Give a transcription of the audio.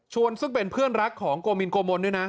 ส่วนซึ่งเป็นเพื่อนรักของโกมินโกมนด้วยนะ